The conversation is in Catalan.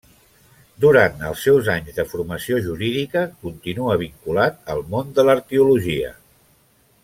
Durant els seus anys de formació jurídica, continua vinculat al món de l'arqueologia.